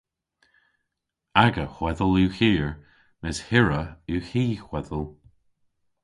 Aga hwedhel yw hir mes hirra yw hy hwedhel.